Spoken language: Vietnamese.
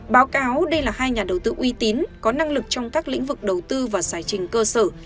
báo cáo đây là hai nhà đầu tư uy tín có năng lực trong các lĩnh vực đầu tư và giải trình cơ sở